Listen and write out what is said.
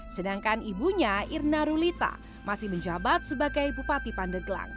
sedangkan ibunya irna rulita masih menjabat sebagai bupati pandeglang